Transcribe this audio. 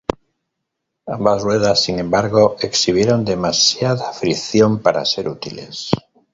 Ambas ruedas, sin embargo, exhibieron demasiada fricción para ser útiles.